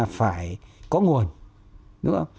phải có nguồn